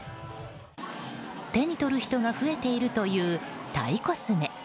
手に取る人が増えているというタイコスメ。